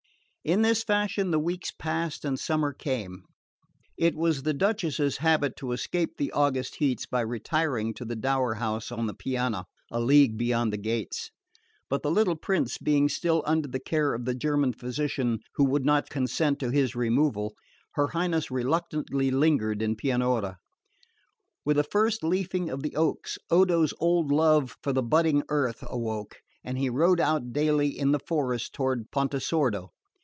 In this fashion the weeks passed and summer came. It was the Duchess's habit to escape the August heats by retiring to the dower house on the Piana, a league beyond the gates; but the little prince being still under the care of the German physician, who would not consent to his removal, her Highness reluctantly lingered in Pianura. With the first leafing of the oaks Odo's old love for the budding earth awoke, and he rode out daily in the forest toward Pontesordo.